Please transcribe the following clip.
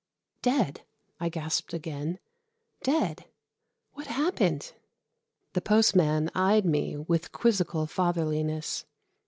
"Dead?" I gasped again. "Dead? What happened?" The postman eyed me with quizzical fatherliness.